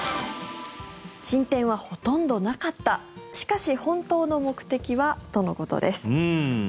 進展はほとんどなかったしかし本当の目的はとのことです。